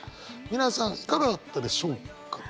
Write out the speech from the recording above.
皆さんいかがだったでしょうか？